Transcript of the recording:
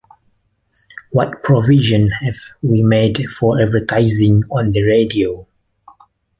What provision have we made for advertising on the radio?